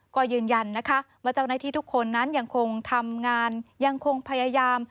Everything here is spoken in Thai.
ก็ยืนยันนะคะว่าเจ้าหน้าที่ทุกคนนั้นยังคงทำงานยังคงพยายาม